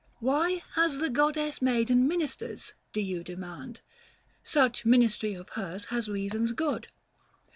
Why has the goddess maiden ministers, Do you demand ? Such ministry of hers Has reasons good.